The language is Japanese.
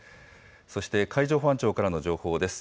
そして海上保安庁からの情報です。